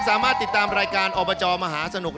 สามารถติดตามรายการอบจมหาสนุก